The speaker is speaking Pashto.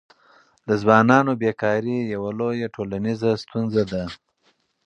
د ځوانانو بېکاري یوه لویه ټولنیزه ستونزه ده.